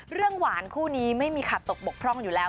หวานคู่นี้ไม่มีขาดตกบกพร่องอยู่แล้ว